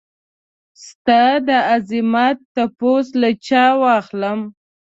ستا دعظمت تپوس له چا واخلم؟